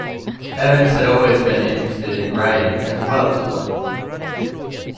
Evans had always been interested in writing as well as playing.